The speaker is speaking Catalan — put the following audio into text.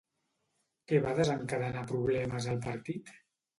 Què va desencadenar problemes al partit?